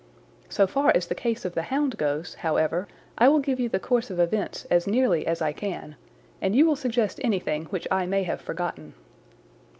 So far as the case of the hound goes, however, I will give you the course of events as nearly as I can, and you will suggest anything which I may have forgotten.